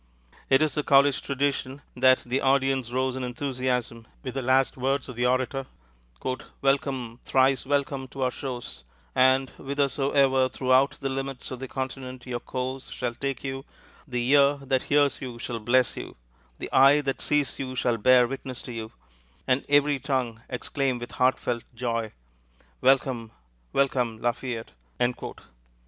It is the college tradition that the audience rose in enthusiasm with the last words of the orator: "Welcome, thrice welcome, to our shores, and whithersoever throughout the limits of the continent your course shall take you, the ear that hears you shall bless you, the eye that sees you shall bear witness to you, and every tongue exclaim with heart felt joy, Welcome, welcome, Lafayette!"